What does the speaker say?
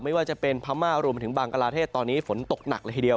ไม่ว่าจะเป็นพม่ารวมไปถึงบางกลาเทศตอนนี้ฝนตกหนักเลยทีเดียว